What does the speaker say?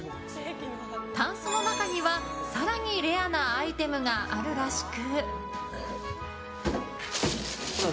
たんすの中には更にレアなアイテムがあるらしく。